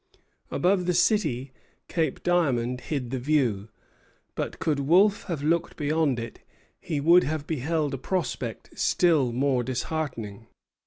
Above the city, Cape Diamond hid the view; but could Wolfe have looked beyond it, he would have beheld a prospect still more disheartening.